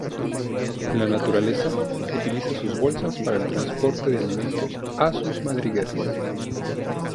En la naturaleza, utiliza sus bolsas para el transporte de alimentos a sus madrigueras.